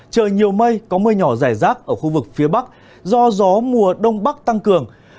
trời nhiều mây có mưa nhỏ rải rác ở khu vực phía bắc do gió mùa đông bắc tăng cường